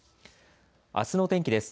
あすの天気です。